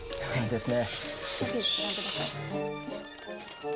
ですね。